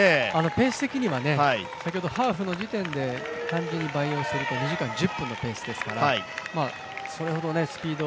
ペース的には先ほどハーフの時点で単純に２倍しますと２時間１０分のペースですからそれほどスピード